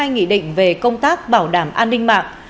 hai nghị định về công tác bảo đảm an ninh mạng